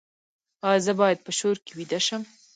ایا زه باید په شور کې ویده شم؟